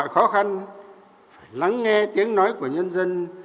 khó khăn phải lắng nghe tiếng nói của nhân dân